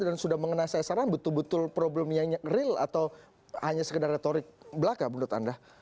dan sudah mengenai seseorang betul betul problemnya real atau hanya sekedar retorik belaka menurut anda